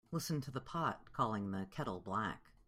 Listen to the pot calling the kettle black.